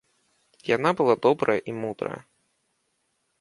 Яна была добрая і мудрая.